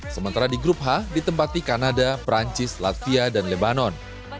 sementara di grup h ditempati kanada perancis latvia dan lebanon